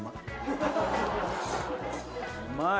うまい！